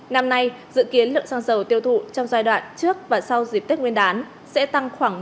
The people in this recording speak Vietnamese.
năm nay dự kiến lượng xăng dầu tiêu thụ trong giai đoạn trước và sau dịp tết nguyên đán sẽ tăng khoảng